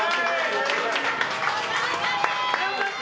頑張って。